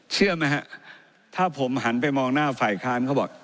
เชื่อไหมฮะถ้าผมหันไปมองหน้าฝ่ายค้านเขาบอก